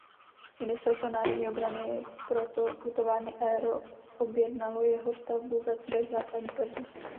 Ministerstvo národní obrany proto u továrny Aero objednalo jeho stavbu ve třech základních verzích.